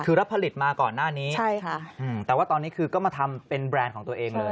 คือรับผลิตมาก่อนหน้านี้ใช่ค่ะแต่ว่าตอนนี้คือก็มาทำเป็นแบรนด์ของตัวเองเลย